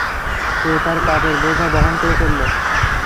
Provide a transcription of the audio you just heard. সে তার পাপের বোঝা বহন করে চললো।